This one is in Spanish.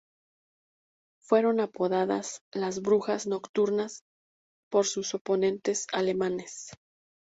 Fueron apodadas las "Brujas Nocturnas" por sus oponentes alemanes.